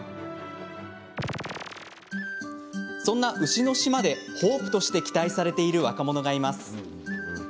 そんな牛の島で、ホープとして期待されている若者がいます。